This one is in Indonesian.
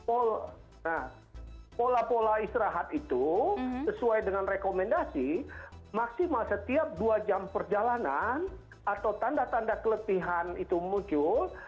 pola pola istirahat yang direkomendasikan pola pola istirahat itu sesuai dengan rekomendasi maksimal setiap dua jam perjalanan atau tanda tanda keletihan itu muncul